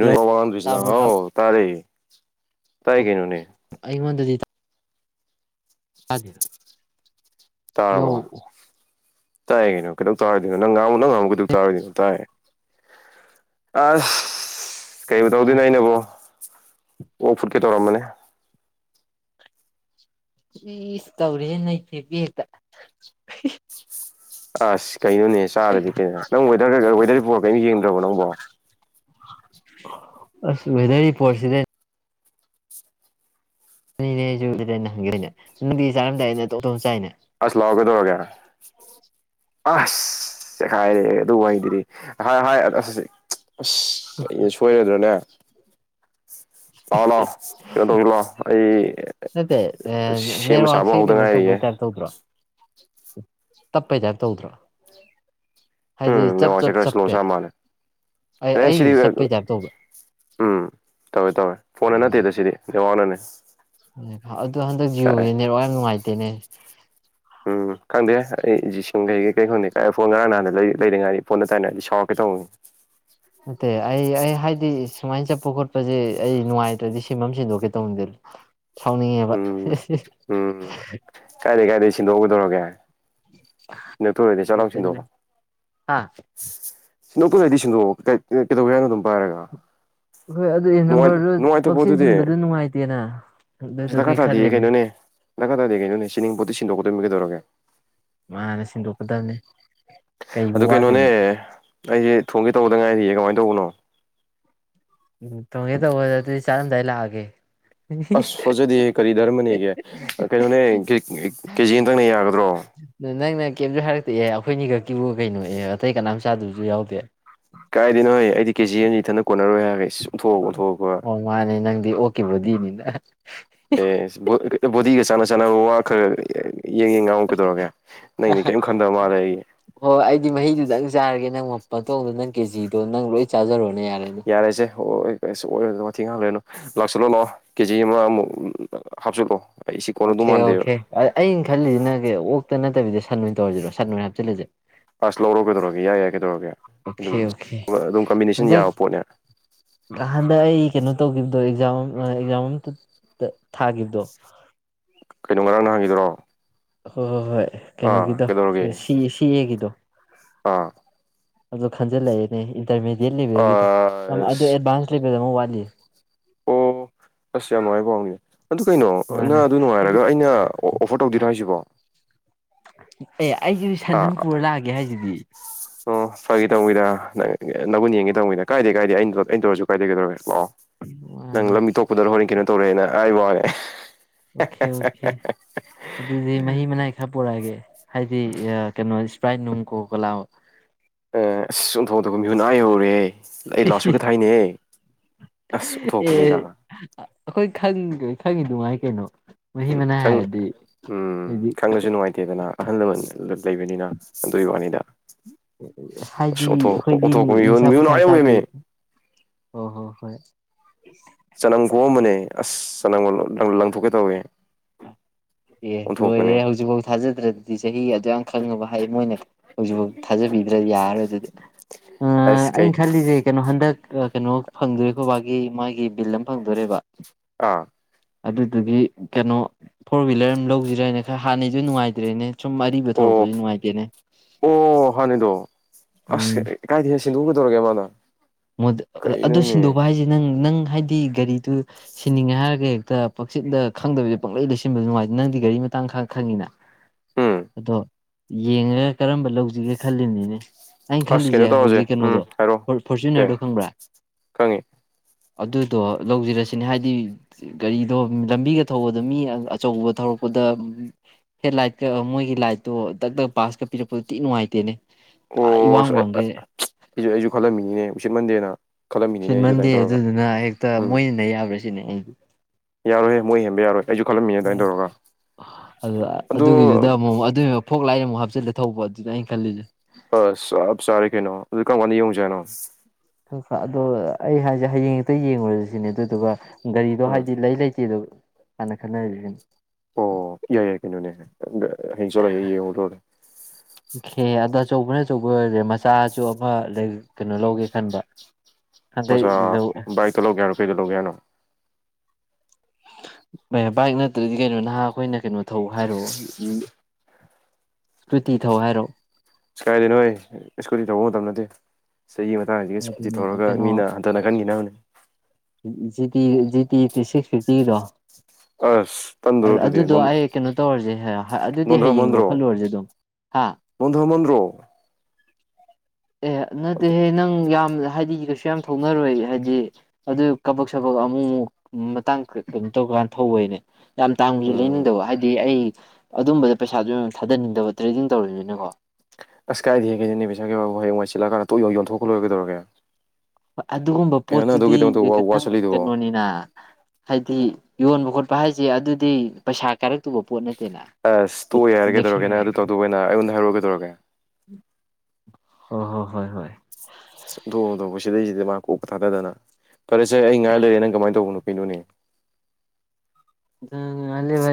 hello ꯇꯥꯕ꯭ꯔꯣ ꯍꯥꯎ ꯇꯥꯕ꯭ꯔꯣ ꯇꯥꯔꯦ ꯎ [unintelligible] ꯇꯥꯏ ꯀꯩꯅꯣꯅꯦ ꯗꯤ ꯌꯧ ꯇꯌꯦꯦꯅꯣ ꯀꯂ ꯇ ꯑꯗꯨ ꯅꯪ ꯉꯥꯡꯨ ꯅꯪ ꯉꯉꯝꯒꯗ ꯇꯔꯣꯏꯅꯣꯥꯏ ꯑ ꯀꯩꯕꯨ ꯇꯧꯗꯤ ꯑꯩꯅꯦꯕꯣ ꯑꯣ ꯐꯨꯠꯀꯦ ꯇꯧꯔ ꯃꯅꯦ ꯏ ꯏꯁ ꯇꯧꯔꯦꯅꯩꯈꯦ ꯠꯇꯝ [unintelligible] ꯑꯁ ꯀꯩꯅꯣꯅꯦ ꯆꯥꯔꯗꯤ ꯀꯩꯅꯣ ꯅꯪ ꯋ ꯋꯗꯔ ꯔꯤꯄꯣꯔ ꯀꯩꯅꯣ ꯌꯦꯡꯗ꯭ꯔꯕꯣ ꯅꯪꯕꯣ ꯑꯁ ꯋꯦꯗꯔ ꯄꯣꯠꯁꯤꯗ ꯑꯅꯦ ꯑꯩꯁꯨꯅ ꯍꯪꯒꯦꯅꯦ ꯅꯅꯨꯡꯗꯤ ꯆꯥꯔꯝꯗꯥꯏ ꯑꯩꯅꯣꯞꯇꯣꯝ ꯆꯥꯏꯅꯦ ꯑꯁ ꯂꯣꯎ ꯀꯩꯗꯧꯔꯒꯦ ꯑꯁ ꯆꯦꯈꯏꯔꯦꯍꯦ ꯑꯗꯨ ꯋꯥꯉꯗꯔꯤ ꯍ ꯍ ꯑ ꯑꯁ ꯑꯩ ꯁꯣꯏꯔꯗ꯭ꯔꯅꯦ ꯂꯥꯛꯑꯣ ꯂꯥꯛꯑꯣ ꯀꯩꯅꯣ ꯇꯧꯁꯤꯂꯑꯣ ꯑꯩ ꯅꯠꯇꯦ ꯁꯦꯝꯕ ꯁꯥꯕ ꯍꯧꯗ ꯉꯥꯏꯔꯤꯌꯦꯦ ꯇꯞꯄꯩꯇ ꯇꯧꯗ꯭ꯔꯣ ꯍꯥꯏꯗꯤ ꯎꯝ ꯆꯞ ꯅꯦꯋꯥꯁꯦ ꯆꯞ ꯈꯔ ꯁꯂꯣ ꯆꯞꯄꯦ ꯆ ꯃꯥꯜꯂꯦ ꯑꯩ ꯁꯤꯗꯤ ꯑꯩꯁꯨ ꯆꯞꯄꯩ ꯇꯥꯏꯞ ꯇꯧꯕ ꯎꯝ ꯇꯧꯋꯦ ꯇꯧꯋꯦ ꯐꯣꯟꯅ ꯅꯠꯇꯦꯗ ꯁꯤꯗꯤ ꯀꯃꯅꯅꯦ ꯑꯗꯨꯣ ꯍꯟꯗꯛ ꯖꯤꯑꯣꯒꯤ ꯅꯋꯥ ꯌꯥꯝ ꯅꯨꯡꯉꯥꯏꯇꯦꯅꯦ ꯎꯝ ꯈꯪꯗꯦ ꯑꯩ ꯁ ꯀꯩ ꯀꯩ ꯀꯩ ꯈꯣꯗꯦ ꯐꯣꯟ ꯉꯔꯥꯡ ꯅꯍꯥꯟꯅ ꯂꯩꯔꯤꯉꯥꯏꯗꯤ ꯐꯣꯟꯗ ꯇꯥꯏꯅꯗꯤ ꯁꯥꯎꯔꯛꯀꯦ ꯇꯧꯕꯅꯤꯡꯅꯤꯤ ꯅꯠꯇꯦ ꯑꯩ ꯑꯩ ꯍꯥꯏꯗꯤ ꯁꯨꯃꯥꯏꯅ ꯆꯠꯄ ꯈꯣꯠꯄꯁꯦ ꯑꯩ ꯅꯨꯡꯉꯥꯏꯇ꯭ꯔꯗꯤ ꯁꯤꯐꯝ ꯑꯃ ꯁꯤꯟꯗꯣꯛꯀꯦ ꯇꯧꯅꯤꯡꯗꯦ ꯁꯥꯎꯅꯤꯡꯉꯦꯕ ꯎꯝ ꯁꯤꯟꯗꯣꯛꯎꯒꯗꯧꯔꯒꯦ ꯎꯝ ꯅꯛꯇꯔꯗꯤ ꯆꯥꯛꯂꯥꯎꯁꯤꯟꯗꯣꯛ ꯍꯥ ꯁꯤꯟꯗꯣꯛꯄꯅꯗꯤ ꯁꯤꯟꯗꯣꯛꯑꯣ ꯀꯩꯗꯧꯒꯦ ꯍꯥꯏꯅꯣ ꯑꯗꯨꯝ ꯄꯥꯏꯔꯒ ꯍꯣꯏ ꯑꯗꯨꯗꯤ ꯅꯨꯡꯉꯥꯏ ꯅꯝꯕꯔꯗꯨ ꯅꯨꯡꯉꯥꯏꯇ ꯄꯛꯆꯦꯟ ꯄꯣꯠꯇꯨꯗꯤ ꯁꯤꯟꯕꯗꯨ ꯅꯨꯡꯉꯥꯏꯇꯦꯅ ꯑꯁ ꯗꯀꯥ ꯑꯗꯨꯗꯨꯒꯤ ꯇꯥꯗꯦ ꯈꯜꯂꯤꯕꯅꯤ ꯀꯩꯅꯣꯅꯦ ꯗꯀꯥ ꯇꯥꯗꯦ ꯀꯩꯅꯣꯅꯦ ꯆꯤꯅꯤꯡ ꯄꯣꯠꯇꯤ ꯁꯤꯟꯗꯣꯛꯄ ꯑꯗꯨꯃꯒꯤꯗꯧꯔꯒꯦ ꯃꯥꯅ ꯁꯤꯟꯗꯣꯛꯀꯗꯕꯅꯦ ꯑꯗꯨ ꯀꯩꯅꯣꯅꯦ ꯑꯩꯁ ꯊꯣꯡꯒꯦ ꯇꯧꯗ ꯉꯥꯏꯔꯤꯌꯦ ꯀꯃꯥꯏꯅ ꯇꯧꯕꯅꯣ ꯎ ꯇꯣꯡ ꯇ ꯑꯗꯨꯗꯤ ꯆꯔꯝꯗꯏꯂꯑꯒꯦ ꯑꯁ ꯐꯖꯗꯦ ꯀꯔꯤ ꯙꯔꯃꯅꯤꯒꯦ ꯀꯩꯅꯣꯅꯦ ꯀꯦꯖꯤ ꯑꯇꯪꯅꯦ ꯌꯥꯒꯗ꯭ꯔꯣ ꯀꯦꯞꯁꯨ ꯍꯥꯏꯔꯛꯇꯑ ꯑꯩꯈꯣꯏꯅꯤ ꯈꯛꯀꯤꯕꯨ ꯀꯩꯅꯣ ꯑꯦ ꯑꯇꯩ ꯀꯅꯥꯝ ꯆꯥꯗꯕꯁꯨ ꯌꯥꯎꯗꯦ ꯀꯥꯏꯗꯅꯣ ꯍꯣꯏ ꯑꯩꯗꯤ ꯀꯦꯖꯤ ꯍꯅꯤ ꯊꯅ ꯀꯣꯟꯅꯔꯣꯏ ꯍꯥꯏꯔꯒ ꯑꯣꯟꯊꯣꯛꯑꯒ ꯑꯣꯟꯊꯣꯛꯑꯒ ꯑꯣꯀꯦ ꯃꯤ ꯑꯦ ꯗꯤꯒꯁꯅ ꯆꯥꯟꯅꯕꯈꯔ ꯈꯟꯗꯕ ꯃꯥꯜꯂꯦ ꯑꯩꯒꯤ ꯍꯣꯏ ꯑꯩꯗꯤ ꯃꯍꯤꯗꯨꯗꯪ ꯆꯥꯔꯒꯦ ꯅꯪꯉꯣꯝ ꯄꯟꯊꯧꯗꯣ ꯅꯪ ꯀꯦꯖꯤꯗꯣ ꯅꯪ ꯂꯣꯏ ꯆꯥꯖꯔꯣꯅꯦ ꯌꯥꯔꯦꯅꯦ ꯌꯥꯔꯦꯁꯦ ꯑꯣꯏꯔ ꯋꯥꯊꯦꯡ ꯍꯥꯥꯡꯂꯅꯨ ꯂꯥꯛꯁꯤꯜꯂꯛꯅꯣ ꯀꯦꯖꯤ ꯑꯃꯃꯨꯛ ꯍꯥꯞꯆꯤꯜꯂꯛꯣꯑꯣ ꯑꯣꯀꯦ ꯑꯣꯀꯦ ꯑꯩꯅ ꯈꯜꯂꯤꯁꯤꯅ ꯀ ꯑꯣꯛꯇ ꯅꯠꯇꯕꯤꯗ ꯁꯟ ꯂ ꯑꯣꯏꯅ ꯇꯧꯔꯁꯤꯔꯣ ꯁꯠ ꯅꯣꯏ ꯍꯥꯏ ꯍꯥꯞꯆꯜꯂꯁꯦ ꯑꯁ ꯂꯧꯔꯨꯒꯗꯧꯔꯒꯦ ꯌꯥꯏ ꯌꯥꯏ ꯀꯗꯧꯔꯒꯦ ꯑꯣꯦ ꯑꯣꯦ ꯑꯗ ꯌꯥꯕ ꯄꯣꯠꯅꯦ ꯑꯗ ꯑꯩ ꯀꯩꯅꯣ ꯇꯧꯈꯤꯕꯗꯣ ꯑꯦꯛꯖꯥꯝ ꯑꯦꯛꯖꯥꯝ ꯑꯇ ꯊꯥꯈꯤꯕꯗꯣ ꯀꯩꯅꯣ ꯉꯔꯥꯡ ꯅ ꯍꯥꯡꯈꯤꯗ꯭ꯔꯣ ꯍ ꯍꯣꯏ ꯍꯣꯏ ꯑꯦ ꯀꯩꯅꯣꯒꯤꯗ ꯁꯤ ꯁꯤ ꯑꯦꯒꯤꯗꯣ ꯑꯥ ꯑꯗꯨ ꯈꯪꯟꯖꯂꯅꯦ ꯏꯟꯇꯔꯗꯤꯠ ꯂꯩꯕꯒꯤꯗꯣ ꯑꯁ ꯑꯦꯗꯚ ꯀꯖꯝ ꯋꯥꯂꯤ ꯑꯣ ꯑꯁ ꯌꯥꯝꯅꯅꯨꯡꯥꯏꯕꯅꯤ ꯑꯗꯨ ꯀꯩꯅꯣ ꯅꯪ ꯑꯗꯨ ꯅꯨꯡꯉꯥꯏꯔꯒ ꯑꯩꯅ ꯑꯣꯐꯔ ꯇꯧꯗꯣꯏꯔꯣ ꯍꯥꯏꯁꯤꯕꯣ ꯑꯦ ꯑꯩꯁꯤ ꯑꯥ ꯁꯥꯟꯗꯝꯝꯄꯨꯔ ꯂꯥꯛꯑꯒꯦ ꯍꯥꯏꯁꯤꯗꯤ ꯑꯣ ꯐꯒꯦ ꯇꯧꯕꯤꯗ ꯅꯪꯕꯨ ꯌꯦꯡꯉꯤ ꯇꯧꯕꯤꯗ ꯀꯥꯏꯗꯦ ꯀꯥꯏꯗꯦ ꯑꯩ ꯑꯩꯩꯅꯗ ꯑꯣꯏꯔꯁꯨ ꯀꯥꯏꯗꯦ ꯀꯩꯗꯧꯔꯦ ꯂꯥꯛꯑꯣ ꯅꯪ ꯃꯥꯅꯦ ꯂꯝ ꯇꯣꯄꯗ ꯍꯣꯅꯤ ꯀ ꯇꯧꯣꯔꯦꯅ ꯑꯩ ꯋꯥꯡꯉꯦ ꯑꯣꯀꯦ ꯑꯣꯀꯦ ꯑꯗꯨꯗꯤ ꯃꯍꯤ ꯃꯅꯥꯏ ꯈꯔ ꯄꯨꯔꯛꯑꯒꯦ ꯍꯥꯏꯗꯤ ꯀꯩꯅꯣ ꯄ꯭ꯔꯥꯏ ꯅꯣꯡ ꯀꯒꯂꯥꯎ ꯑꯦ ꯑꯁ ꯆꯨꯝꯊꯣꯛꯗꯄ ꯃꯤꯍꯨꯅꯥꯍꯧꯔꯦ ꯑꯁ ꯑꯦ ꯑꯣꯟꯊꯣꯛꯄꯅꯤꯗ ꯑꯩꯈꯣꯏ ꯈ ꯈꯪꯉꯤ ꯅꯨꯡꯉꯥꯏ ꯀꯩꯅꯣ ꯃꯍꯤ ꯎꯝ ꯃꯅꯥꯏ ꯍꯥꯏꯔꯗꯤ ꯎꯝ ꯍꯥꯏꯗꯤ ꯈꯪꯉꯁꯨ ꯅꯨꯡꯉꯥꯏꯇꯦꯗꯅ ꯑꯍꯜ ꯂꯃꯟ ꯂꯩꯕꯅꯤꯅ ꯑꯗꯨꯒꯤ ꯋꯥꯅꯤꯗ ꯑꯁ ꯍꯥꯏꯗꯤ ꯑꯣꯟꯊꯣꯛ ꯑꯩꯈꯣꯏꯗꯤ ꯑꯣꯟꯊꯣꯛꯄ ꯃꯤꯍꯨꯟ ꯅꯨꯡꯁꯥ ꯃꯤꯍꯨꯟ ꯄꯨꯁꯥ ꯑꯥ ꯆꯥꯗꯦ ꯌꯧꯋꯦꯃꯤ ꯍꯣꯏ ꯍꯣꯏ ꯍꯣꯏ ꯑ ꯆꯅꯪ ꯀꯣꯃꯅꯦ ꯑꯁ ꯆ ꯅꯣ ꯂꯊꯣꯛꯒꯦ ꯇꯋꯦ ꯑꯦ ꯂꯣꯏꯔꯦ ꯍꯧꯖꯤꯛꯐꯥꯎ ꯊꯥꯖꯗ꯭ꯔꯗꯤ ꯆꯍꯤ ꯑꯗꯨ ꯌꯥꯝ ꯈꯪꯉꯕ ꯍꯥꯏ ꯃꯣꯏ ꯍꯧꯖꯤꯛꯐꯥꯎ ꯊꯥꯖꯕꯤꯗ꯭ꯔ ꯌꯥꯔꯔꯣꯏ ꯑꯗꯨꯗꯤ ꯑꯁ ꯀꯩ ꯑꯩꯅ ꯈꯜꯂꯤꯁꯦ ꯀꯩꯅꯣ ꯍꯟꯗꯛ ꯀꯩꯅꯣ ꯐꯪꯗꯔꯤꯀꯣꯕꯥꯒꯤ ꯃꯥꯒꯤ ꯕꯤꯜ ꯑꯃ ꯐꯪꯗꯣꯔꯤꯕ ꯑꯥ ꯑꯗꯨꯗꯨꯒꯤ ꯀꯩꯅꯣ ꯐꯣꯔ ꯍ꯭ꯋꯤꯂꯔ ꯑꯃ ꯂꯧꯁꯤꯔꯅꯦ ꯈꯔ ꯍꯥꯟꯅꯩꯁꯨ ꯅꯨꯡꯉꯥꯏꯇ꯭ꯔꯦꯅꯦ ꯁꯨꯝ ꯑꯔꯤꯕ ꯑꯣ ꯊꯧꯔꯛꯄꯁꯨ ꯅꯨꯡꯉꯥꯏꯇꯦꯅꯦ ꯑꯣ ꯍꯅꯤꯗꯣ ꯑꯁ ꯀꯥꯏ ꯊ ꯁꯤꯡꯗꯨꯕꯨꯒꯤꯗꯧꯔꯒꯦꯃꯅ ꯃ ꯑꯗꯨ ꯁꯤꯟꯗꯣꯛꯄ ꯍꯥꯏꯁꯦ ꯅꯪ ꯅꯪ ꯍꯥꯏꯗꯤ ꯒꯥꯔꯤꯗꯨ ꯁꯤꯟꯅꯤꯡꯉꯦ ꯍꯥꯏꯔꯒ ꯍꯦꯛꯇ ꯄꯛꯆꯤꯤꯟꯗ ꯈꯪꯗꯕꯁꯦ ꯄꯪꯂꯩ ꯂꯩꯁꯤꯟꯕꯗ ꯅꯨꯡꯉꯥꯏꯦ ꯅꯪꯗꯤ ꯒꯥꯔꯤ ꯃꯇꯥꯡ ꯈ ꯈꯪꯉꯤꯅ ꯎꯝ ꯑꯗꯣ ꯌꯦꯡꯉꯒ ꯀꯔꯝꯕ ꯂꯧꯁꯤꯒꯦ ꯈꯜꯂꯤꯕꯅꯤꯅꯦ ꯑꯁ ꯀꯩꯅꯣ ꯇꯧꯔꯁꯦ ꯎꯝ ꯍꯥꯏꯔꯣ ꯀ ꯐꯣꯔꯆꯨꯅꯔꯗꯣ ꯈꯪꯕ꯭ꯔꯥ ꯈꯪꯉꯤ ꯑꯗꯨꯗꯣ ꯂꯧꯖꯔꯁꯤꯅꯦ ꯍꯥꯏꯗꯤ ꯒꯥꯔꯤꯗꯣ ꯂꯝꯕꯤꯒ ꯊꯧꯕꯗ ꯃꯤ ꯑꯆꯧꯕ ꯊꯧꯔꯛꯄꯗ ꯍꯦꯠ ꯂꯥꯏꯠꯀ ꯃꯣꯏꯒꯤ ꯂꯥꯏꯠꯇꯣ ꯗꯛ ꯗꯛ ꯄꯕꯥꯁꯀ ꯄꯤꯔꯛꯄꯗꯣ ꯇꯤ ꯅꯨꯡꯉꯥꯏꯇꯦꯅꯦ ꯑꯥ ꯑꯣ ꯏꯋꯥꯡ ꯋꯥꯡꯈꯩ ꯑꯩ ꯑꯩꯁꯨ ꯈꯜꯂꯝꯃꯤꯅꯤꯅꯦ ꯁꯤꯠ ꯃꯟꯗꯦꯅ ꯈꯜꯂꯝꯃꯤꯅꯤꯅꯦ ꯁꯨꯠ ꯑꯩꯁꯨ ꯃꯟꯗꯦ ꯑꯗꯨꯃꯥꯏꯅ ꯇꯧꯔꯒ ꯑꯗꯨꯗꯨꯅ ꯍꯦꯛꯇ ꯃꯣꯏꯅꯅ ꯌꯥꯕ꯭ꯔꯁꯤ ꯁꯤꯅꯦ ꯑꯩ ꯌꯥꯔꯣꯏꯦ ꯃꯣꯏ ꯍꯦꯟꯕ ꯌꯥꯔꯣꯏ ꯑꯩꯁꯨ ꯈꯜꯂꯝꯃꯤꯅꯦ ꯑꯗꯨꯃꯥꯏꯅ ꯇꯧꯔꯒ ꯑꯗꯨ ꯑꯗꯣ ꯑꯗꯨꯒꯤꯗꯨꯗ ꯑꯃꯨꯛ ꯑꯗꯨꯒꯤ ꯐꯣꯛ ꯂꯥꯏꯅ ꯑꯃꯨꯛ ꯍꯥꯞꯆ ꯆꯤꯂꯦ ꯊꯧꯕ ꯑꯗꯨꯗ ꯑꯩꯅ ꯈꯜꯂꯤꯁꯦ ꯑꯁ ꯆꯞ ꯆꯥꯔ ꯀꯩꯅꯣ ꯑꯗꯨ ꯀꯔꯝ ꯀꯥꯟꯗ ꯌꯦꯡꯉꯨꯁꯥꯅꯣ ꯑꯗꯣ ꯑꯩ ꯍꯥꯏꯁꯦ ꯍꯌꯦꯡ ꯍꯦꯛꯇ ꯌꯦꯡꯉꯨꯔꯁꯤꯅꯦ ꯑꯗꯨꯏꯗꯨꯒ ꯒꯥꯔꯤꯗꯣ ꯎꯝ ꯍꯥꯏꯗꯤ ꯂꯩ ꯂꯩꯇꯦ ꯑꯗꯨ ꯀꯅ ꯈꯅ ꯍꯥꯏꯕꯤꯒꯅꯤ ꯑꯣ ꯌꯥꯏ ꯌꯥꯏ ꯀꯩꯅꯣꯅꯦ ꯍꯥꯏꯦ ꯑꯗꯨ ꯍꯤꯡꯁ ꯂꯩ ꯍꯧ ꯊꯔ ꯑꯆꯧꯕꯅꯆꯧꯕꯔꯦ ꯆꯥꯁꯨ ꯑꯃ ꯂꯩ ꯀꯩꯅꯣ ꯂꯧꯒꯦ ꯈꯟꯕ ꯍꯟꯗꯩ ꯃꯆꯥ ꯕꯥꯏꯛꯇ ꯂꯧꯒꯦꯅꯣ ꯀꯩꯗ ꯂꯧꯒꯦ ꯌꯥꯅꯣ ꯕꯥꯏꯛ ꯅꯠꯇ꯭ꯔꯗꯤ ꯀꯩꯅꯣ ꯅꯍꯥ ꯑꯩꯈꯣꯏꯅ ꯀꯩꯅꯣ ꯊꯧ ꯍꯥꯏꯔꯣ ꯏꯁꯀꯨꯇꯤ ꯊꯧ ꯍꯥꯏꯔꯣ ꯀꯥꯏꯗꯦ ꯅꯣꯏ ꯏꯁꯀꯨꯇꯤ ꯇꯧꯕ ꯃꯇꯝ ꯅꯠꯇꯦ ꯆꯍꯤꯒꯤ ꯃꯇꯥꯡꯁꯤꯒ ꯏꯁꯀꯨꯇꯤ ꯑꯗꯨꯅꯦ ꯇꯧꯔꯒ ꯃꯤꯅ ꯍꯟꯊꯅ ꯈꯟꯈꯤꯅꯕꯅꯤ ꯖꯤ ꯖꯤꯇꯤ ꯇ ꯁꯤꯛꯁ ꯐꯤꯐꯇꯤꯒꯤꯗꯣ ꯑꯁ ꯇꯟꯗ꯭ꯔꯣ ꯑꯗꯨ ꯑꯗꯨꯗꯤ ꯑꯗꯨꯗꯣ ꯑꯩ ꯀꯩꯅꯣ ꯇꯧꯔꯁꯦ ꯑꯗꯨꯗꯤ ꯍꯌꯦꯡ ꯅꯣꯟꯊꯃꯟꯗ꯭ꯔꯣ ꯂꯧꯈꯠꯂꯨꯔꯁꯦ ꯑꯗꯨꯝ ꯍꯥ ꯅꯣꯟꯊꯃꯟꯗ꯭ꯔꯣ ꯑꯦ ꯑꯗꯨꯠꯇꯦꯍꯦ ꯅꯪ ꯌꯥꯝ ꯍꯥꯏꯗꯤ ꯀꯩꯁꯨ ꯌꯥꯝ ꯊꯣꯛꯅꯔꯣꯏ ꯍꯥꯏꯗꯤ ꯑꯗꯨ ꯀꯕꯛ ꯁꯕꯛ ꯑꯃꯨꯛ ꯑꯃꯨꯛ ꯃꯇꯥꯡ ꯑꯗꯨ ꯇꯧꯀꯥꯟꯗ ꯊꯧꯕꯩꯅꯦ ꯌꯥꯝ ꯇꯥꯡꯕꯁꯨ ꯎꯝ ꯂꯩꯅꯤꯡꯗꯕ ꯍꯥꯏꯗꯤ ꯑꯩ ꯑꯗꯨꯝꯕꯗ ꯄꯩꯁꯥꯗ ꯊꯥꯗꯅꯤꯡꯗꯕ ꯇ꯭ꯔꯦꯗꯤꯡ ꯇꯧꯔꯤꯅꯤꯅꯀꯣ ꯑꯁ ꯀꯥꯏꯗꯦ ꯍꯦꯛꯒꯦꯗꯅꯦ ꯄꯕꯤꯁꯥꯒꯤꯦ ꯕꯕꯨ ꯍꯌꯦꯡꯏ ꯆꯠꯂꯥꯟ ꯇꯣꯛ ꯌ ꯌꯣꯟꯊꯣꯛꯀꯂꯣꯏꯒꯗꯧꯔꯒꯦ ꯍꯣꯏ ꯑꯗꯨꯒꯨꯝꯕ ꯄꯣꯠꯇꯨꯗꯤ ꯅꯪ ꯋꯥꯁꯤꯜꯂꯤꯗꯨꯕꯣ ꯀꯩꯅꯣꯅꯤꯅ ꯍꯥꯏꯗꯤ ꯌꯣꯟꯕ ꯈꯣꯠꯄ ꯍꯥꯏꯁꯦ ꯑꯗꯨꯗꯤ ꯄꯩꯁꯥ ꯀꯥꯏꯔꯛꯇꯨꯕ ꯄꯣꯠ ꯅꯠꯇꯦ ꯑꯁ ꯇꯣꯛ ꯌꯥ ꯍꯥꯏꯔꯒꯦ ꯇꯧꯔꯒꯦꯅꯦ ꯑꯗꯨ ꯇꯧꯗꯧꯕ ꯑꯣꯏꯅ ꯑꯩꯉꯣꯟꯗ ꯍꯥꯏꯔꯛꯑꯒꯦ ꯇꯧꯔꯒꯦ ꯑꯣ ꯍꯣ ꯍꯣꯏ ꯍꯣꯏ ꯊꯣꯛꯊꯣꯛ ꯁꯤꯗꯩꯁꯤꯗꯤ ꯃꯥ ꯀꯣꯛꯄ ꯊꯥꯊꯗꯅ ꯐꯔꯦ ꯑꯩ ꯉꯥꯏ ꯂꯩꯔꯦ ꯅꯪ ꯀꯃꯥꯏꯅ ꯇꯧꯕꯅꯣ ꯄꯅꯣꯅꯦ ꯑꯂꯕ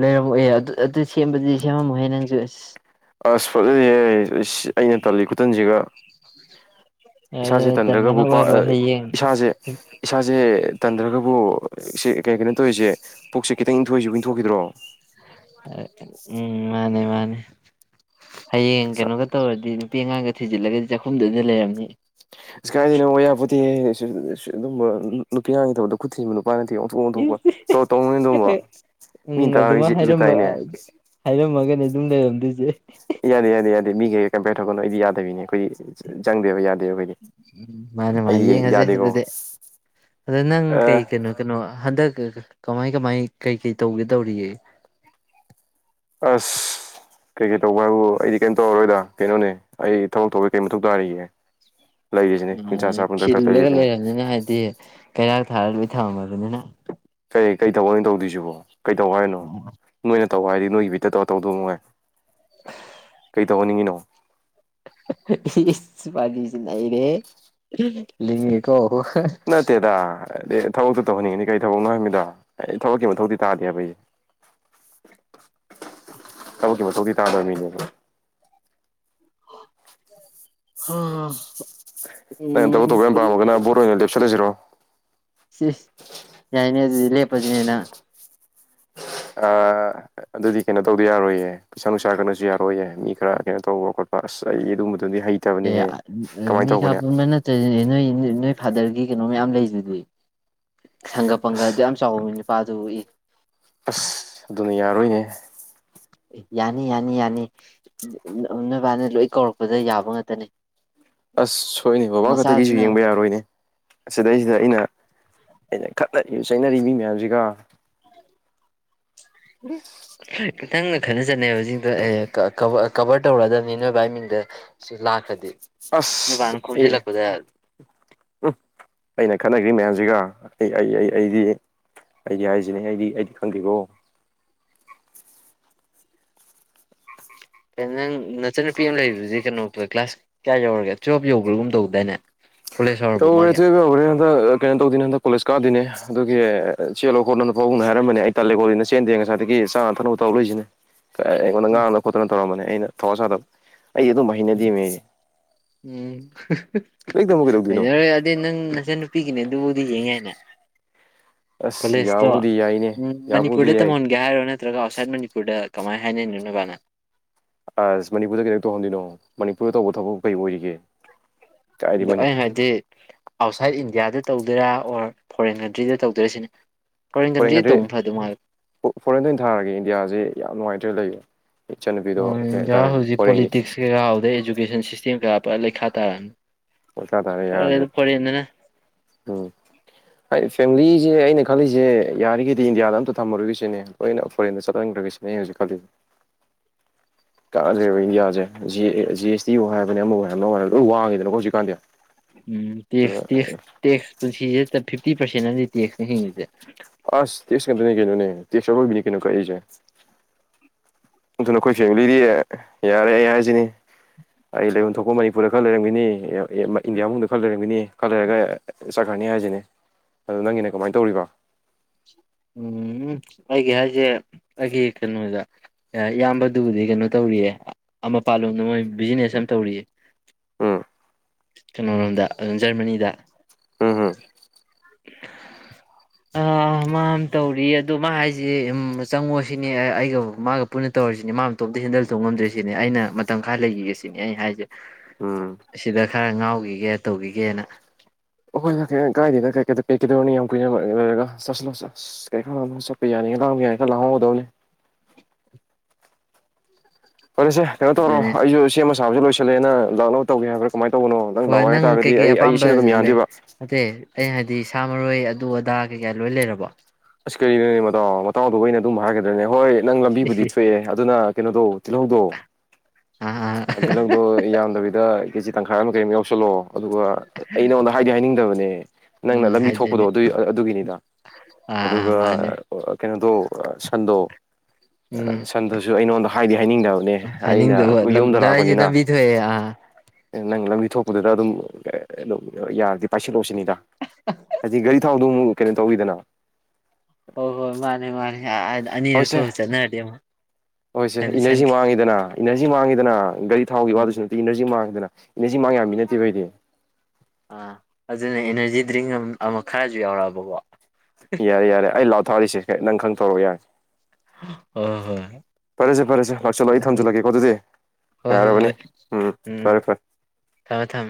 ꯂꯩꯔꯝꯃ ꯑꯦꯦ ꯑꯗꯨ ꯑꯗꯨ ꯁꯦꯝꯕꯗꯤ ꯁꯦꯝꯃꯝꯃꯣꯏꯍꯦ ꯅꯪꯁꯨ ꯑꯁ ꯑꯁ ꯐꯣꯠꯂ ꯑꯩꯅ ꯇꯜꯂꯤ ꯈꯨꯇꯟꯁꯤꯒ ꯌꯥꯔꯦ ꯏꯁꯥꯁꯦ ꯇꯟꯕꯅ ꯇꯟꯗ꯭ꯔꯒꯕꯨ ꯑꯣꯏꯔꯣꯏ ꯍꯌꯦꯡ ꯏꯁꯥꯁꯦ ꯏꯁꯥꯁꯦ ꯇꯟꯊ꯭ꯔꯒꯕꯨ ꯏ ꯀꯩ ꯀꯩꯅꯣ ꯇꯧꯔꯤꯁꯦ ꯄꯨꯛꯁꯦ ꯈꯤꯇꯪ ꯏꯟꯊꯣꯛꯏꯁꯨ ꯏꯟꯊꯣꯛꯈꯤꯗ꯭ꯔꯣ ꯎꯝ ꯃꯥꯅꯦ ꯃꯥꯅꯦ [unintelligible] ꯍꯌꯦꯡ ꯑꯁ ꯀꯩꯅꯣꯒ ꯇꯧꯔꯗꯤ ꯅꯨꯄꯤ ꯑꯉꯥꯡꯒ ꯊꯤꯖꯤꯜꯂꯒꯗꯤ ꯆꯥꯛꯈꯨꯝꯗꯨ ꯑꯅ ꯂꯩꯔꯝꯅꯤ ꯑ ꯀꯥꯏꯗꯦꯅꯛꯌꯥ ꯄꯣꯠꯇꯤ ꯑꯗꯨꯝꯕ ꯅꯨꯄꯤ ꯌꯥꯥꯡꯒꯤ ꯇꯕꯗ ꯈꯨꯠ ꯊꯤꯕꯅꯣ ꯃꯤꯅ ꯎꯝ ꯇꯥꯔꯒ ꯑꯗꯨꯃ ꯏꯖꯠ ꯍꯥꯏꯔ ꯏꯖꯠ ꯇꯥꯏꯅꯦ ꯍꯥꯏꯔꯝꯃꯒꯅꯤ ꯑꯗꯨꯝ ꯂꯩꯔꯝꯃꯦ ꯑꯗꯨꯖꯦ ꯌꯥꯗꯦ ꯌꯥꯦ ꯌꯥꯦ ꯃꯤꯒꯦ ꯀꯩꯄꯦꯣꯛꯒꯀꯣ ꯏꯗꯤ ꯌꯥꯗꯦꯕꯤꯅꯦ ꯑꯩꯈꯣꯏ ꯆꯪꯗꯦꯕ ꯌꯥꯗꯦꯕ ꯑꯩꯈꯣꯏꯗꯤ ꯎꯝ ꯃꯥꯅꯦ ꯃꯥꯅꯦ ꯑꯩꯗꯤ ꯌꯦꯡꯉꯁꯦ ꯌꯥꯗꯦꯀꯣ ꯑꯗꯨꯗꯤ ꯑꯗ ꯅꯪ ꯀꯩ ꯀꯩꯅꯣ ꯀꯩꯅꯣ ꯍꯟꯗꯛ ꯀꯃꯥꯏ ꯀꯃꯥꯏ ꯀꯩ ꯀꯩ ꯇꯧꯒꯦ ꯇꯧꯔꯤꯌꯦꯦ ꯀꯩ ꯀꯩ ꯇꯧꯕ ꯍꯥꯏꯕꯨ ꯑꯩꯗꯤ ꯀꯩꯅꯝ ꯇꯧꯔꯔꯣꯏꯗ ꯀꯩꯅꯣꯅꯦ ꯑꯩ ꯊꯕꯛ ꯊꯧꯕꯁ ꯀꯩ ꯃꯊꯧ ꯇꯥꯔꯤꯒꯦ ꯂꯩꯔꯤꯁꯤꯅꯦ ꯄꯨꯡꯆꯥ ꯆꯥ ꯄꯨꯡꯊꯛ ꯊꯛ ꯈꯤꯜꯂꯒ ꯂꯩꯔꯤꯁꯤꯅꯦ ꯂꯩꯔꯕꯅꯤꯅ ꯍꯥꯏꯗꯤ ꯀ ꯊꯥꯔꯕꯤ ꯊꯥꯔꯅꯤ ꯀꯩ ꯀꯩ ꯊꯕꯛ ꯑꯣꯏꯅ ꯇꯧꯗꯣꯏꯁꯤꯕꯣ ꯀꯩꯗꯧ ꯍꯥꯏꯔꯤꯅꯣ ꯅꯣꯏꯅ ꯇꯧ ꯍꯥꯏꯔꯗꯤ ꯅꯣꯏꯒꯤ ꯕꯤꯠꯇ ꯇꯧꯔ ꯇꯧꯗꯧ ꯃꯉꯥꯏ ꯀꯩ ꯇꯧꯍꯟꯅꯤꯡꯉꯤꯅꯣ ꯄꯗꯤꯁꯤꯏꯔꯦ ꯅꯠꯇꯦꯗꯥ ꯑꯗ ꯊꯕꯛꯇꯣ ꯇꯧꯍꯟꯅꯤꯡꯉꯤꯅꯤ ꯀꯩ ꯊꯕꯛꯅꯣ ꯍꯥꯏꯔꯝꯃꯤꯗꯣ ꯑꯩ ꯊꯕꯛꯀꯤ ꯃꯊꯧꯗꯤꯤ ꯇꯥꯗꯦ ꯍꯥꯏꯕ ꯊꯕꯛꯀꯤ ꯃꯊꯧꯗꯤꯤ ꯇꯥꯗꯕ ꯃꯤꯅꯦꯕ ꯍꯝ ꯅ ꯇꯕꯨ ꯇꯒꯒ ꯕꯣꯦ ꯆꯠꯂꯁꯤꯔꯣ ꯁꯤ ꯌꯥꯅꯦ ꯑꯗꯨꯗꯤ ꯂꯦꯞꯄꯁꯤꯅꯦꯅ ꯑ ꯑꯗꯨꯗꯤ ꯀꯩꯅꯣ ꯇꯧꯗ ꯌꯥꯔꯣꯏꯌꯦ ꯄꯩꯁꯥ ꯅꯨꯡꯁꯥ ꯀꯅꯁꯨ ꯌꯥꯔꯣꯏꯌꯦ ꯃꯤ ꯈꯔ ꯀꯩꯅꯣ ꯇꯧꯕ ꯈꯣꯠꯄ ꯑꯁ ꯑꯩꯒꯤ ꯑꯗꯨ ꯃꯤ ꯀꯄꯅ ꯐꯥꯗꯔꯒꯤ ꯀꯩꯅꯣ ꯃꯌꯥꯝ ꯂꯩꯁꯤꯗꯤ ꯁꯪꯒ ꯄꯪꯒꯗꯤ ꯑꯁ ꯌꯥꯝ ꯆꯥꯎꯕꯅꯤꯅ ꯄꯥꯗꯨꯏ ꯑꯁ ꯑꯗꯨꯅ ꯌꯥꯔꯣꯏꯅꯦ ꯌꯥꯅꯤ ꯌꯥꯅꯤ ꯌꯥꯅꯤ ꯅꯣꯏꯕꯥꯅ ꯂꯣꯏ ꯀꯧꯔꯛꯄꯗ ꯌꯥꯕ ꯉꯥꯛꯇꯅꯦ ꯑꯁ ꯁꯣꯏꯅꯦ ꯕꯕꯥ ꯈꯛꯇꯒꯤꯁꯨ ꯌꯦꯡꯕ ꯌꯥꯔꯣꯏꯅꯦ ꯑꯁꯤꯗꯩꯁꯤꯗ ꯑꯩꯅ ꯑꯩꯅ ꯈꯠꯂ ꯆꯩꯅꯔꯤꯕ ꯃꯤ ꯃꯌꯥꯝꯁꯤꯒ ꯎ [unintelligible] ꯈꯤꯇꯪꯅ ꯈꯠꯅ ꯆꯠꯅꯩꯕꯁꯤꯡꯗꯣ ꯀꯕꯔ ꯇꯧꯔꯛꯑꯗꯕꯅꯤ ꯅꯣꯏ ꯚꯥꯏ ꯃꯤꯡꯗ ꯁꯤ ꯂꯥꯛꯈ꯭ꯔꯗꯤ ꯑꯁ ꯅꯣꯏꯕꯥꯅ ꯑꯦ ꯈꯣꯝꯖꯤꯜꯂꯛꯄꯗ ꯎꯝ ꯑꯩꯅ ꯈꯟꯅꯈ꯭ꯔꯤ ꯃꯌꯥꯝꯁꯤꯒ ꯑꯩ ꯑꯩ ꯑꯩ ꯑꯩꯗꯤ ꯑꯩꯗꯤ ꯍꯥꯏꯁꯤꯅꯤ ꯑꯩꯗꯤ ꯑꯩꯗꯤ ꯈꯪꯗꯦꯀꯣ ꯅꯪ ꯅꯆꯟꯅꯨꯄꯤ ꯑꯃ ꯂꯩꯕꯗꯨꯗꯤ ꯀꯩꯅꯣ ꯀ꯭ꯂꯥꯁ ꯀꯌꯥ ꯌꯧꯔꯒꯦ ꯇꯨꯋꯜꯕ ꯌꯧꯕ꯭ꯔꯥꯒꯨꯝ ꯇꯧꯕꯗꯥꯏꯅꯦ ꯔ ꯏꯆꯦ ꯍꯧꯔꯦ ꯀꯩꯅ ꯇꯧꯗꯅꯗ ꯀꯣꯂꯦꯖ ꯀꯥꯗꯣꯏꯅꯦ ꯑꯗꯨꯒꯤ ꯆꯦꯜꯂꯣ ꯈꯣꯠꯂꯣꯅ ꯄꯥꯕꯨꯡꯅ ꯍꯥꯏꯔꯝꯕꯅꯦ ꯑꯩ ꯇꯥꯜꯂꯦꯀꯣꯗꯤꯅ ꯆꯦꯟꯗꯦ ꯉꯁꯥꯏꯗꯒꯤ ꯆꯥꯅ ꯊꯛꯅꯕ ꯇꯧꯔ ꯂꯩꯏꯁꯤꯅꯦ ꯎꯝ ꯉꯥꯡ ꯈꯨꯅ ꯇꯧꯔꯕꯅꯦ ꯑꯩꯅ ꯊꯧꯑ ꯁꯥꯗꯕ ꯑꯩ ꯑꯗꯨꯝꯕ ꯍꯩꯅꯗꯦꯃꯦ ꯑꯩ ꯎꯝ ꯂꯥꯏꯔꯤꯛ ꯇꯝꯃ ꯀꯩꯗꯧꯗꯣꯏꯅꯣ ꯑ ꯗꯤ ꯅꯪ ꯅꯁ ꯅꯨꯄꯤꯒꯤꯅꯦ ꯑꯗꯨꯕꯨꯗꯤ ꯌꯦꯡꯉꯦ ꯍꯥꯏꯅꯦ ꯑꯁ ꯀꯣꯂꯦꯖꯇꯣ ꯌꯥꯕꯨꯗꯤ ꯌꯥꯏꯅꯦ ꯎꯝ ꯌꯥꯕꯨꯗꯤ ꯃꯅꯤꯄꯨꯔꯗꯩ ꯌꯥꯏ ꯇꯝꯍꯟꯒꯦ ꯍꯥꯏꯔꯣ ꯅ ꯅꯠꯇ꯭ꯔꯒ ꯑꯥꯎꯠꯁꯥꯏꯠ ꯃꯅꯤꯄꯨꯔꯗ ꯀꯃꯥꯏꯅ ꯍꯥꯏꯅꯅꯣꯅꯕꯅ ꯑꯁ ꯃꯅꯤꯄꯨꯔꯗ ꯀꯩꯅ ꯇꯧꯍꯟꯗꯣꯏꯅꯣ ꯃꯅꯤꯄꯨꯔꯗ ꯇꯧꯕ ꯊꯕꯛ ꯀꯔꯤ ꯑꯣꯏꯔꯤꯒꯦ ꯀꯥꯏꯗꯩ ꯑ ꯑꯩ ꯃꯅꯤꯄꯨꯔ ꯍꯥꯏꯣꯏꯗꯤ ꯑꯥꯎꯠꯁꯥꯏꯠ ꯏꯟꯗꯤꯌꯥꯗ ꯇꯧꯗꯣꯏꯔꯥ ꯑꯣꯔ ꯐꯣꯔꯦꯟ ꯀꯟꯇ꯭ꯔꯤꯗ ꯇꯧꯗꯣꯏꯔꯥ ꯁꯤꯅꯦ ꯐꯣꯔꯦꯟ ꯀꯟꯇ꯭ꯔꯤ ꯐꯣꯔꯦꯟꯗ ꯑꯣꯏꯅ ꯊꯥꯔꯒꯦ ꯏꯟꯗꯤꯌꯥꯁꯤ ꯌꯥꯝ ꯅꯨꯡꯉꯥꯏꯇ꯭ꯔꯦ ꯂꯩꯕ ꯏꯆꯟꯅꯨꯄꯤꯗꯣ ꯀꯩ ꯏꯟꯗꯤꯌꯥ ꯍꯥꯏꯇꯥꯔꯦ ꯍꯧꯖꯤꯛ ꯐꯣꯔꯦꯟꯒꯤ ꯄꯣꯂꯤꯇꯤꯛꯁ ꯀꯩꯀꯥ ꯍꯥꯎꯗꯩ ꯏꯖꯨꯀꯦꯁꯟ ꯁꯤꯁꯇꯦꯝ ꯁꯤ ꯀꯌꯥ ꯂꯩ ꯈꯥ ꯇꯥꯔ ꯑꯣ ꯆꯥ ꯇꯥꯔꯦ ꯌꯥꯗ꯭ꯔꯦ ꯎꯝ ꯑꯩ ꯐꯦꯃꯤꯂꯤꯁꯦ ꯑꯩꯅ ꯈꯜꯂꯤꯁꯦ ꯌꯥꯔꯤꯈꯩꯗꯤ ꯏꯟꯗꯤꯌꯥꯗ ꯑꯝꯇ ꯊꯝꯃꯔꯣꯏꯒꯤꯁꯤꯅꯦ ꯂꯣꯏꯅ ꯐꯣꯔꯦꯟꯗ ꯆꯠꯍꯟꯈ꯭ꯔꯒꯁꯤꯅꯦ ꯑ ꯍꯧꯖꯤꯛ ꯈꯜꯂꯤꯁꯦ ꯀꯛꯗ꯭ꯔꯦꯕ ꯏꯟꯗꯤꯌꯥꯁꯦ ꯖꯤ ꯑꯦꯁ ꯇꯤ ꯑꯣ ꯍꯥꯏꯔꯕꯅꯦ ꯑꯃꯕꯨ ꯍꯥꯏꯔꯕꯅ ꯍꯥꯏ ꯂꯣꯏ ꯋꯥꯡꯉꯤꯗꯅꯀꯣ ꯍꯧꯖꯤꯛꯀꯥꯟꯗꯤ ꯎꯝ ꯇ ꯑꯗꯨꯅ ꯇ ꯇꯦꯛꯁ ꯄ ꯐꯤ ꯐꯤꯇꯤꯔꯦꯟꯅ ꯑꯃꯗꯤ ꯇꯦꯛꯁꯅ ꯍꯤꯡꯉꯤꯁꯦ ꯑꯁ ꯇꯁꯀꯟꯗꯅꯤ ꯀꯅꯣ ꯅ ꯇꯁꯅꯤ ꯀꯅ ꯀꯔꯤ ꯑꯗꯨ ꯅ ꯑꯩꯈꯣꯏ ꯐꯦꯃꯤꯂꯤꯗꯤ ꯌꯥꯔꯦ ꯑꯩ ꯍꯥꯏꯁꯤꯅꯤ ꯑꯩ ꯂꯩꯐꯝ ꯊꯣꯛꯄ ꯃꯅꯤꯄꯨꯔꯗ ꯈꯔ ꯂꯩꯔꯝꯒꯅꯤ ꯏꯟꯗꯤꯌꯥ ꯃꯅꯨꯡꯗ ꯈꯔ ꯂꯩꯔꯝꯒꯅꯤ ꯈꯔ ꯂꯩꯔꯒ ꯆꯠꯈ꯭ꯔꯅꯤ ꯍꯥꯏꯁꯤꯅꯤ ꯑꯗꯨ ꯅꯪꯒꯤꯅꯦ ꯀꯃꯥꯏꯅ ꯇꯧꯔꯤꯕ ꯎꯝ ꯑꯩꯒꯤ ꯍꯥꯏꯁꯦ ꯑꯩꯒꯤ ꯀꯩꯅꯣꯗ ꯏꯌꯥꯝꯕꯗꯨꯕꯨꯗꯤ ꯀꯩꯅꯣ ꯇꯧꯔꯤꯌꯦ ꯑꯃꯄꯥꯥꯟꯂꯣꯝꯗ ꯃꯣꯏ ꯕꯤꯖꯤꯅꯦꯁ ꯑꯃ ꯇꯧꯔꯤꯌꯦ ꯎꯝ ꯀꯩꯅꯣꯂꯣꯝꯗ ꯑꯗꯨꯝ ꯖꯔꯃꯅꯤꯗ ꯎꯝ ꯎꯝ ꯑ ꯃꯥ ꯇꯧꯔꯤ ꯑꯗ ꯃꯥ ꯍꯥꯏꯁꯦ ꯆꯪꯉꯣ ꯁꯤꯅꯦ ꯑꯩꯒ ꯃꯥꯒ ꯄꯨꯟꯅ ꯇꯧꯔꯁꯤꯅꯦ ꯃꯥ ꯑꯇꯣꯝꯇ ꯍꯦꯟꯗꯜ ꯇꯧ ꯉꯝꯗ꯭ꯔꯤꯁꯤꯅꯦ ꯑꯩꯅ ꯃꯇꯝ ꯈꯔ ꯂꯩꯈꯤꯒꯁꯤꯅꯦ ꯑꯩ ꯍꯥꯏꯁꯦ ꯎꯝ ꯁꯤꯗ ꯈꯔ ꯉꯥꯎꯈꯤꯒꯦ ꯇꯧꯈꯤꯒꯦꯅ ꯍꯣꯏ ꯀꯥꯏꯗ ꯀꯩ ꯀꯩꯗ ꯄꯦꯛꯀꯗꯧꯅꯤ ꯌꯥꯝ ꯀꯨꯏꯅ ꯂꯩꯔꯒ ꯆꯠ ꯆ ꯀꯩꯀꯥ ꯆꯠꯄ ꯌꯥꯅꯤꯥꯡ ꯌꯥꯅꯤ ꯈ ꯂꯪꯍꯧꯗꯧꯅꯤ ꯐꯔꯦ ꯁꯦ ꯀꯩꯅꯣ ꯇꯧꯔꯣ ꯑꯗꯨꯅꯦ ꯑꯩꯁꯨ ꯁꯦꯝꯃ ꯑꯕꯁꯨ ꯂꯣꯏꯁꯤꯜꯂꯦꯅ ꯂꯥꯛ ꯂꯧ ꯇꯧꯒ ꯍꯥꯏꯕ꯭ꯔꯥ ꯀꯃꯥꯏꯅ ꯇꯧꯕꯅꯣ ꯇꯪ ꯍꯣꯏ ꯅꯪ ꯀꯩꯀꯩ ꯂꯥꯛꯑꯣ ꯑꯗꯤ ꯁꯥ ꯃꯔꯣꯏ ꯑꯗꯨ ꯑꯗꯥ ꯀꯩꯀꯥ ꯂꯣꯏ ꯂꯩꯔꯕꯣ ꯑꯁ ꯀꯔꯤꯅꯣ ꯃꯇꯥꯎ ꯃꯇꯥꯎꯗꯨꯕꯨ ꯑꯩꯅ ꯑꯗꯨꯝ ꯍꯥꯏꯒꯗ꯭ꯔꯅꯦ ꯅꯪ ꯂꯝꯕꯤꯕꯨꯗꯤ ꯀꯩꯅꯣꯗꯣ ꯇꯤꯜꯍꯧꯗꯣ ꯑꯥ ꯑꯥ ꯇꯤꯜꯍꯧꯗꯣ ꯌꯥꯝꯗꯕꯤꯗꯦ ꯀꯦꯖꯤ ꯇꯈꯥꯏꯔ ꯑꯃ ꯀꯩ ꯑꯃꯥ ꯌꯥꯎꯁꯜꯂꯣ ꯑꯗꯨꯒ ꯑꯩ ꯅꯉꯣꯟꯗ ꯍꯥꯏꯗꯤ ꯍꯥꯏꯅꯤꯡꯗꯕꯅꯦ ꯅꯪꯅ ꯎꯝ ꯂꯝꯕꯤ ꯊꯣꯛꯄꯗꯣ ꯍꯥꯏꯗꯣꯏꯅꯦ ꯑꯗꯨ ꯑꯗꯨꯒꯤꯅꯤꯗ ꯑꯥ ꯑꯥ ꯑꯗꯨꯒ ꯃꯥꯅꯦ ꯀꯩꯅꯣꯗꯣ ꯁꯟꯗꯣ ꯎꯝ ꯁꯟꯗꯨꯁꯨ ꯑꯩꯉꯣꯟꯗ ꯍꯥꯏꯗꯤ ꯍꯥꯏꯅꯤꯡꯗꯕꯅꯦ ꯑꯩꯅ ꯍꯥꯏꯅꯤꯡꯗꯕ ꯌꯨꯝꯗ ꯂꯝꯖꯦ ꯂꯥꯛꯄꯅꯤꯅ ꯂꯝꯕꯤ ꯊꯣꯛꯑꯦ ꯑꯥ ꯅꯪ ꯂꯧ ꯊꯣꯛꯄꯗꯨꯗ ꯑꯗꯨꯝ ꯑꯗꯨꯝ ꯌꯥꯔꯗꯤ ꯄꯥꯏꯁꯤꯜꯂꯣ ꯁꯤꯅꯤꯗ ꯍꯥꯏꯖꯤꯛ ꯒꯥꯔꯤ ꯊꯥꯎꯗꯣ ꯑꯃꯨꯛ ꯀꯩꯅꯣ ꯇꯧꯔꯤꯗꯅ ꯍꯣꯏ ꯍꯣꯏ ꯃꯥꯅꯦ ꯃꯥꯅꯦꯄ ꯑꯅꯤꯔ ꯍꯣꯏꯁꯦ ꯊꯣꯛ ꯆꯠꯅꯔꯗꯤ ꯑꯃꯨꯛ ꯁꯟꯈꯤ ꯋꯥꯉꯗꯅ ꯒꯥꯔꯤ ꯊꯥꯎꯈꯤ ꯎꯝ ꯋꯥꯗꯨꯁꯨ ꯅꯠꯇꯦ ꯏꯅꯔꯖꯤ ꯃꯥꯡꯏꯗꯅ ꯏꯅꯔꯖꯤ ꯃꯥꯡ ꯌꯥꯕ ꯃꯤ ꯅꯠꯇꯦꯕ ꯑꯩꯗꯤ ꯑꯥ ꯑꯗꯨꯅ ꯑꯦꯅꯔꯖꯤ ꯗ꯭ꯔꯤꯡ ꯑꯃ ꯈꯔꯁꯨ ꯌꯥꯎꯔꯛꯑꯕ ꯀꯣ ꯌꯥꯔꯦ ꯌꯥꯔꯦ ꯑꯩ ꯂꯥꯎ ꯊꯥꯔꯤꯁꯦ ꯅꯪ ꯈꯪꯊꯔꯛꯑꯣ ꯌꯥꯔꯒꯦ ꯍꯣꯏ ꯍꯣꯏ ꯐꯔꯦꯁꯦ ꯐꯔꯦꯁꯦ ꯂꯥꯛꯁꯤꯜꯂꯣ ꯑꯩ ꯍꯣꯏ ꯊꯝꯖꯤꯜꯂꯒ‌ꯦꯀꯣ ꯑꯗꯨꯗꯤ ꯍꯣꯏ ꯍꯣꯏ ꯌꯥꯔꯕꯅꯤ ꯍꯣꯏ ꯎꯝ ꯐꯔꯦ ꯐꯔꯦ ꯊꯝꯃꯦ ꯊꯝꯃꯦ